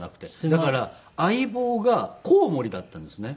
だから相棒がコウモリだったんですね。